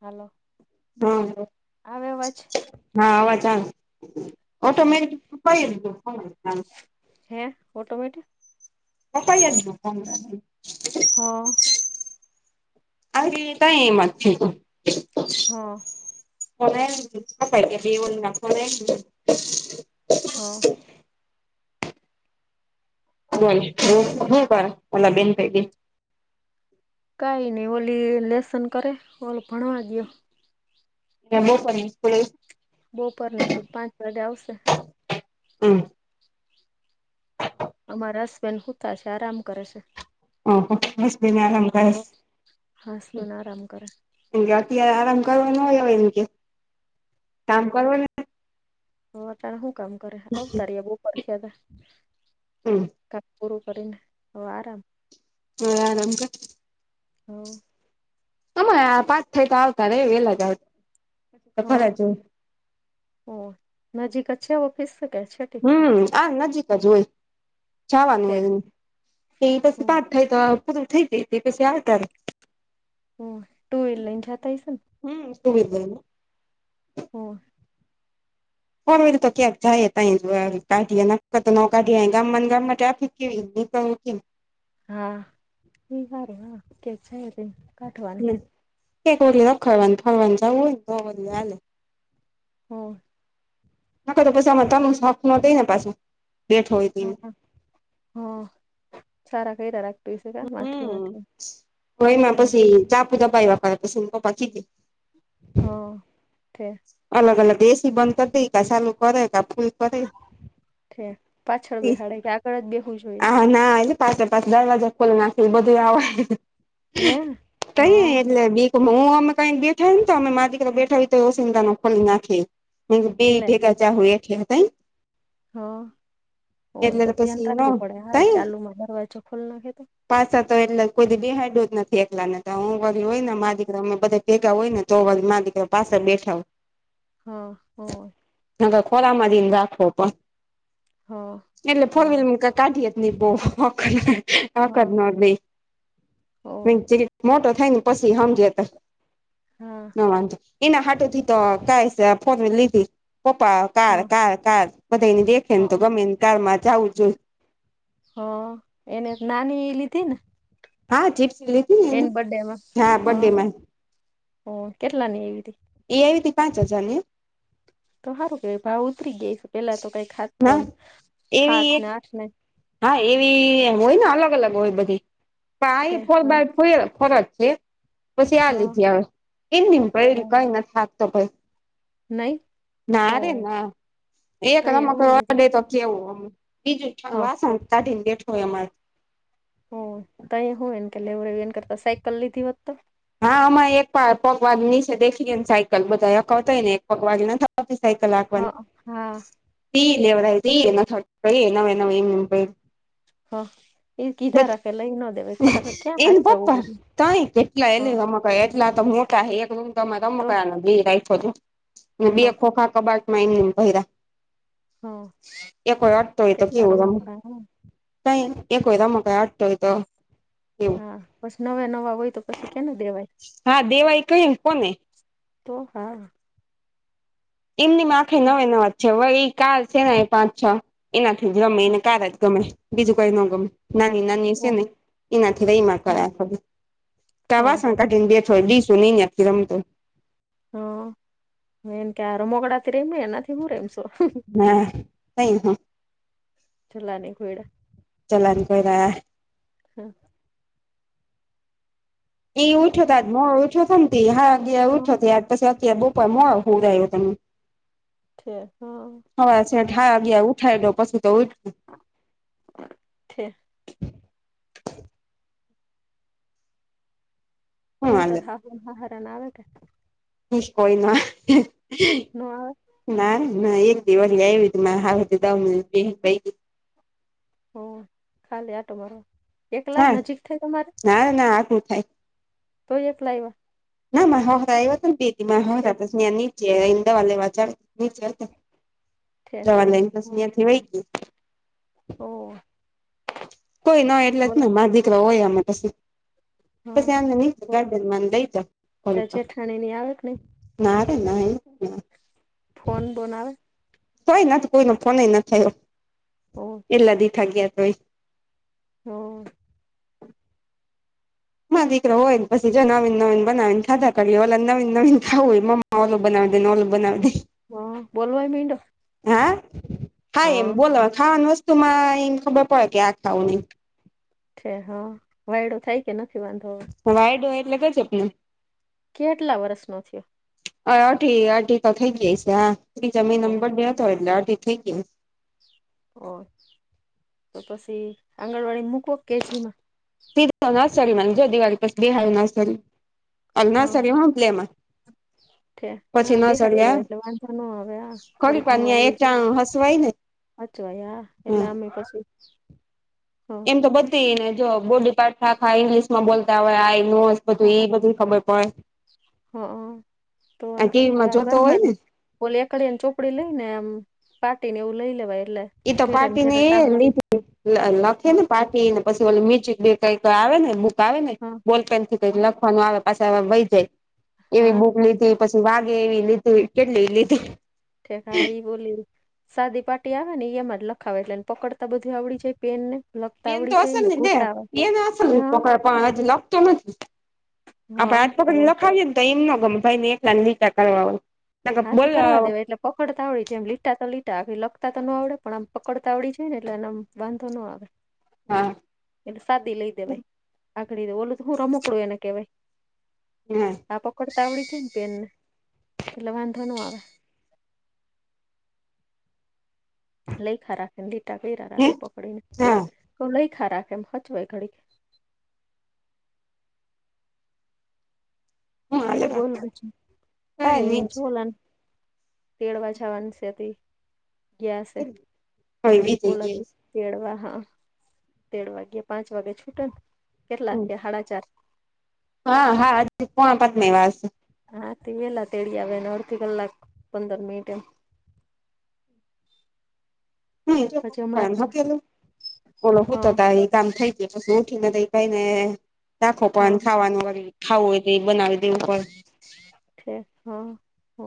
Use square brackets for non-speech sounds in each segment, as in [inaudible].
હાલો હા આવે અવાજ હા અવાજ ઓટોમે. હોયંત હો. હે ઓટોમેટિક પપ્પા ક્યાં છે, પપ્ હા આે ત એમાંત છે. હા [unintelligible] [inaudible] હા બોલ કર મલા બેન પૈકી. કઈ નઈ ઓલી લેસન કરે ઓલી ભણવા ગઈ. એય બઉ પાણી પડે, બપોર ની છે પાંચ વાગે આવશે. હમ અમારા હસબેન્ડ શું થશે આરામ કરે છે. ઓહો મિસ દર તો હસબન્ડ આરામ કરે. એમ કે અત્યારે આરામ કરવા ન હો એમ કે કામ કરવા હ તારે શું કામ કરે અતારીએ બહ પ થયા હતા. હમ કામ પૂરું કરીને હવે આરામ. હ આરામ હ અમ પાચ થઈતા આવતાારે એ એ લ જ આવે હા ઓ નજીક છે ઓફીસ કે છે. હમ આ નજીક જ હોય જવાનું ત્યાં હોય એ પછ હમ થ તો પૂરું થઈ ગ તે પછી આવતારિયા. હ ટુવિલ લઇન જ જાતાય છે ને? હમ ટુવિલ લાઇન. હો. કો એ તો ક્યાકાય ત કાઢી નક્કર તો ન કાઢી ગામ ગામ માટે આપી કેવી નીપલ વ્કિન હા વાાર હ કે [unintelligible] એક ઓલી રખાડવાની ફરવાનું જવું હોયને તો બધું હાલે [unintelligible] હો [unintelligible] [inaudible] નાખ તો પસામાં તમ સોખ ન થ ને પાછ [unintelligible] [inaudible] હા હ સારા ક રાખતું છે [unintelligible] [inaudible] હ ભ એમાં પછી ચાપુ તપાઈ બાપા પછી પપ્પા કીધે [unintelligible] [inaudible] હા કે [inaudible] [inaudible] અલગ અલગ એસીી બંધ કરી દઈ કા ચાલુ કરે કા ફૂલ કરે [unintelligible] પાછળ બેહાડે કે આગળ જ બેવું જોઈએ [unintelligible] [inaudible] આ ના [unintelligible] [inaudible] પાસે પાસે દરવાજા ખોલી નાખે બધું આવા હે કહી હા એટલે [unintelligible] [inaudible] તો હું અમે કઈ બેઠા ને તો અમે મારીીક બેઠા હોી તો એ સિંધ નો ખોલી નાખી [unintelligible] [inaudible] બે લે ભેગા ચાહુ એઠ ત [unintelligible] [inaudible] હા હોય તો ધ્યાન પછી ન રાખવું પડે હા તઈ ચાલુમાં દરવાજો ખોલ નાખે તો [inaudible] પાછા તો એટલે કોઈી બેહાઈડ જ નથી એકલા ને હું વારી હોય ને મારીિકમે બધ [unintelligible] [inaudible] ભેગા હોય ને તો વા મા દીક પાસે બેઠા હો [inaudible] હા હો [inaudible] ખોરામાંથીને રાખો હા પણ એટલે ફોર હોય વ્લર [inaudible] કાઢએત ન બહખર હ કર હા નહી હોય [inaudible] મોટો થાય ને પછી સમજે તો હા નમજે એના હા [inaudible] ત તો કાસા ફોન લીધ કપા [inaudible] કાર હા કાર કાર બધા એને દેખે ને તો હા ગમેને કારમાં જવું જોઈ [inaudible] હ એને નાની એઈ લ હતી ન [inaudible] હા જીપસ લ [inaudible] એની બર્ ડેમાં હા કેટલાની એવી હતીી [inaudible] એ આવી ત પાંચ હજાર ને. તો સારું કે ભાવ ઉતરી ગય છે પેલા તો કઈ ખાચ તો ના એવી હાથ એક ને આાથ ને. હા એવી હોય ને અલગ અલગ હોય બધી પણ છે આ ફોર હા બાય ફ ફરજ. પછી આ હા લીધી આવે એમ એ કઈ નથીકતો ભાઈ. નહી નારે હો ના એક તો એ રમક હું એમ કે રડે તો કેવું. બીજઠ હા વા સાતા િન્ડેઠ હોય અમારે. હ તો હું એને કેેવું કરતા સાયકલ લીધી હોત તો. હા આમાં એક પગવાજ નીચે દેખી ગ ને સાયકલ બધા અખાવતાય ને એક પગવાજ. ચી સાઈ કલાક પણન. હા હા તી લેવ ત એ થ એ ન એ ન એમ. હા. એ કીધા બસ રાખે લઈ ના દેવા ખોટ ક્યાં એને હાથ જવું પપ્પા બધું તઈ કેટલા હ. એ રમકડા એટલા તો મોટા એક રૂમ તમે તો રમક બે રાઈફો બે હા ખોખા કબાડ. હા પ એકર અટતોય તો કેટલા કેવું રમ. રમકડા હે ક એક વયતા મ આઠતોોય તો. એવું હા પછ નવા નવા હોય તો પછી કેને દેવાય. હા દેવાય કઈ કોને તો હા. એમની માખે હ નવે નવાજ છેવે એ કાર છે ને એ પાંચ છ. એનાથી રમે એને કાર જ ગમે બીજું કઈ ન ગમે. નાની નાની છે ને એનાથી રહીમાં કરયા ક હ હ કઢને બેોડી સુનીહી ને ખીરમ તો હ એન કેાર મોગડાથી રેમ એના હું રેમ છું હા કઈ હ ચલ્લાની કોડા ચલાન કો રહ હમ એઈ ઉઠો થજ મો ઉઠો થ હા ગ ઉઠો હ થ પછી આ કેબો પમો હું રહ્યો તમે ઠે હ હવે હ છેઠા અગયા ઉઠાઈ દો પછી તો ઉઠું કેઠ હું ત હા હન હા હાર ના આવેટ કોઈ ના ના ના ના એક દિવાળી આવી હવે બે હ ખાલી આટો મારો એકલા હા નજીક થ તમારે ના ના આઘું થાય તો એ એકલાઈ વા ના મા હરા એવા બે હતી મા ઠેક હરાનેની જે ઈદાવાલે વા ચ નીચે ઠેક હો જવાસ થી વહી ગયું ઓ કોઈ ના એટલે જ ને મા દીકરા હોય આમાં પી હા પછી આને ની બોલ ગા્જરમાં લઈ જા કો તાર જેઠાણીની આવે કે નઈ ના રે ના એ ફોન બનાવે કોઈ નથી કોઈ ન ફોન ના થયો ઓહ એલા દી થ ગ્યા તય હમ દીકરો હોય ને પછી જો નવીન નવીન બનાવીનેા કરીએ ઓલે નવીન નવીન ખાવું હોય મમ્ નલું બનાવ દે નોલું બનાવ દે હા બોલવાય ભિંડો હા હા એમ બોલો ખાવાની વસ્તુમાં એમ ખબર પડે કે આ ખાવું નહી છે હા વાયડો થાય કે નથી વાંધો વાયડો હોય એટલે ક છેપને કેટલા વર્ષનો થયો અ અઢી અઢી તો થઇ ગઈ છે હા જમીન હો બર્થડે દેતોય એટલે અઢી થઇ ગય ઓ તો પછી આંગણવાડીને મૂકવ કેજીીમાં સીધ નાસરી મ જો દિવાળી પછ દી હ નારી હા નાસરી હલે એમાં [unintelligible] હા બિહાર દેવાય એટલે વાંધા ન આવે આ ખરી થોડુંક પા નું આવડ એક છે ટાણું હસવાય ને સાચવા એટલે હમ આમે પછી હ એમ તો બધીને જો બોડી પાર્ટ ખા ખા ઈંગ્લિશમાં બોલતા હોય આઈ નો બધું એ હ બધું ખબર પડે હ તો આ વાંધો ન ટીવીમાં હવે જોતો હોય ઘરમાં ને બોલી એકડી એને ચોપડી લઈ ને એમ પાટી ને એવું લઈ લેવાય એટલે એ તો ઘેરે પાર્ટી ને ઘેરે તા એ હુધી લીધી લખે હા ને પાર્ટી ને પછી ઓ મી બે કઈ આવે ને બુક આવે ને હા બોલ પેન થી લખવાનું આવે પાછ વય જાય એવી હા બુક ઠેક લીધી પછી વાગે એવી લીધું કેટલી એ લીધું ઠ હા ઈ બોલી સાદી પાર્ટી આવે ને એ એમાં જ લખાવે એટલેને પકડતા બધું આવડી જાય પેન ને લખતા એન તો આવડી અલ જાય ને નને ઘૂંટાવે લે એનલ હા પણજ લક તોન જ આપડ હા પગત લખાવીએ ને તો એમનો ગમે ભાઈને એટલા ને વિચાર કરવા હોય નકર હાથ થી બોલ કરવા હા દેવા એટલે પકડતાાવડી છે એમ લીટા તો લીટા લખતા તો ન આવડે પણ આમ પકડતાાવડી છે ને એટલે એમ વાંધો ન ના આવે હા એટલે સાદી લઈ દેવાય આગળ દ બોલું તો હું રમકડું એને કેવાય હમ આ પકડતા આવડી છે ને પેનને એટલેવાંધંધો ન આવે લઈખા રાખેને લીટા કીરા હે રાખે હા પકડીને લઈખા રાખે એમ હચવાય ઘડી હું હાલે બોલ બાકી છ કઈ નીચ બોલાનું તેડવાછાવાની શતી ગયાસે હવે વિતી બોલા ગઈ દ તેડવા હા તેડ વાગ્યે પાંચ વાગે છૂટે ને કેટલા છે હાડાચાર હા હા પોણા પત્મ વાસ હાથી વેલા તેડી આવેને અડધી કલાક પંદર મિનિટ એમ પછી હમણાં હમ હ જ કે ઓલો તો હા તો એ કામ થઈ જે પી ઉઠી ને તો એ કઈને રાાખો પણ હા ખાવાનુંળ ખાવું હોય તે એ બનાવી દેવું પડે હા હ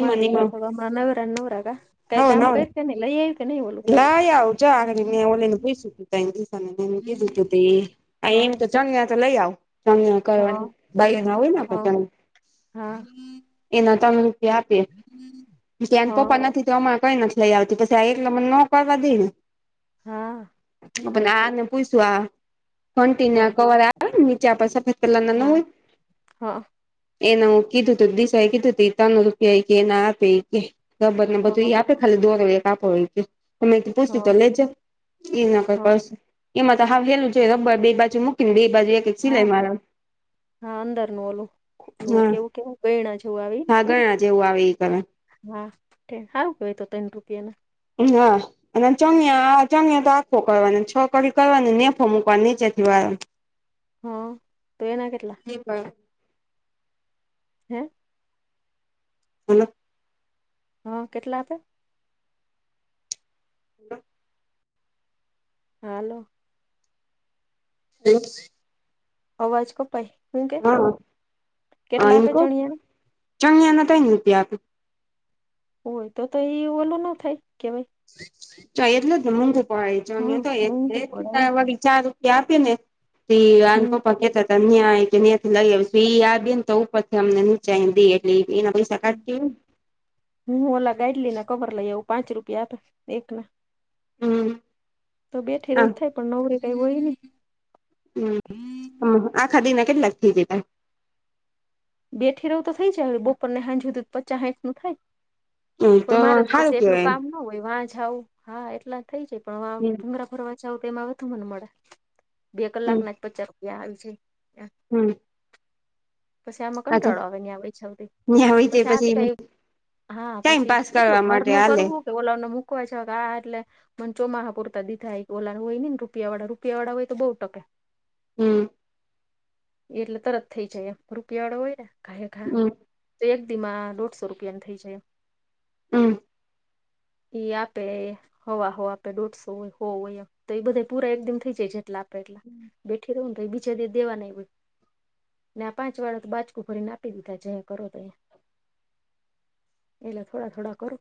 મા ને દકર એમાં ત મા નવરા નવરા ક કઈ કામ કર છે ને લ કનેવ લ આવુંજ આરે મેં ઓલીને પૂછસું તું ત દિવસને કીધું તું તે હા એમ તો ચણ્યા તો લઈ આવ ચણ્યા હા કરવાની ભાઈ ના હોયને હા ચણ હા એના તમે રૂપિયા આપીએ ધ્યાન હા પપ્પા નથી તો અમારે કઈ નથી લઈ આવતી પછી આ એક લમને ન કરવા દઈ ને હા પણ ઠે આને પૂછું આ ઘંટીને હા કવર મ ચાપાસ ફતલાના હા નહત હા એનેું કીધું તું દિશા એ કીધું તું ત્રણ રૂપિયા કે એના આપે કે ખબર ને બધું હા આપ આપ ખાલી દો એક આપો હોયથી પૂછ્યું તો હા લેજ એ ના કોઈ હા કરશ એમાં તો હાવેલું જોઈ રબર બે બાજુ મૂકી ને બે બાજુ એક હા સિલાઈ મારમ હા અંદરનું ઓલુંું હા કેવું કેવું ગણા જેવું આવીને ઘાગરણા જેવું આવે એ કરે હા આવું કેય તો ત્રણ રૂપિયા ના ના અને ચણ્યા ચણ્યા તો આખો કરવા છ કડી કરવાની નેફો મૂકવા નીચે થી વા હા તો ના કેટલા કબ હમ હલો હા કેટલા આપે હ હાાલો હમ અવાજ કપાય શું કે હા કેટલા આપે ચણએમ ચંગ્યાના થ ત આપ હોય તો તો એઈ ઓલું ના થાય કેવાય તો એટલે જ મઘું પ હમ તો મોંઘું પડે એલેચાર આપી ને હમ પપ્પ કેતા ન્યાંય કે ત્યાં થી લઈ યાદ ને તો ઉપરથીમને જી એટલી એના શકાતું હુંું ઓલા ગાઈડ લઈને કવર લઈ આવું પાંચ રૂપિયા હતા એક ના હમ તો બેઠી હા ર થાય પણ નવરી કઈ હોયને હમ આખાદીના કેટલાક થઈ જતા બેઠરાવું તો થઈ જ હવે બપર ને હાજ્યુંધું પચાસ હાંચ નું થાય હમ પણ મારે તો સારું પછી એટલું કેવાય કામ ના હોય વાહ જાાવ હા એટલા થઈ જાય પણ વા એમ ભૂંગરા ભરવા સે તો એમાં વધુ મને મળે બે કલાક ના જ પચાસ રૂપિયા આવી જાય, હમ્મ પછી આમાં કંટાળો આવે આવે છેવ ત્યાં હોય છે પછી આ તો કઈ હા ટાઈમ પછી પાસ કેટલું કરવા માટે ઘરનું હાલે કરવું કે ઓલોને મૂકવા છે, કે આ એટલે મ ચોમાહા પૂરતા દીધાાય ઓલાનું હોય ને રૂપિયા વાળા રૂપિયા વાળા હોય તો બહુ ટકા હમ્મ એટલે તરત થઇ જાય એમ રૂપિયા વાળો હોય ને ઘાાય ઘા હમ તો એક દીમા દોઢસો રૂપિયાની થઇ જાય, હમ્મ એ આપે હવાહો આપડે દોઢસો હોય હો હોય તો એ બધે પૂરા એકદમ થઈ જાય જેટલા ટલા બેઠી રહવ ને તો બિચારી દેવા ન પાંચ વાળા તો બાજકું ફરીને આપી દીધા જે કરો તો એ એટલે થોડા થોડા કરો